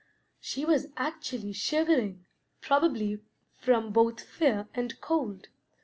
She was actually shivering, probably from both fear and cold.